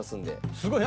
すごい何？